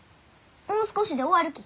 もう少しで終わるき。